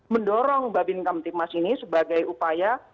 mendorong babin kamtipmas ini sebagai upaya